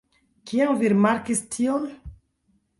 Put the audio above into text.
Kiam vi rimarkis tion?